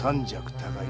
高い